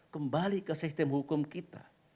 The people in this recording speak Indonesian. kembali ke sistem hukum kita